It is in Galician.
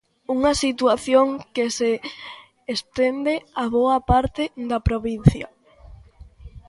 Unha situación que se estende a boa parte da provincia.